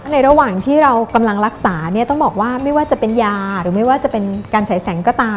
ระหว่างที่เรากำลังรักษาเนี่ยต้องบอกว่าไม่ว่าจะเป็นยาหรือไม่ว่าจะเป็นการฉายแสงก็ตาม